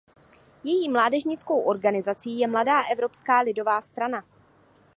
Její mládežnickou organizací je Mladá evropská lidová strana.